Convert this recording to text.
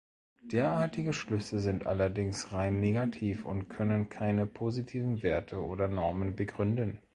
Derartige Schlüsse sind allerdings rein negativ und können keine positiven Werte oder Normen begründen.